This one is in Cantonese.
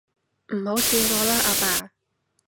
唔好笑我啦，阿爸